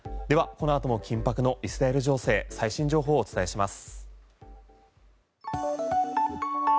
この後も緊迫のイスラエル情勢最新情報をお伝えします。